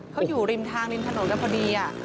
เขาอยู่ริมท้างริมถนนก็พอดีครับ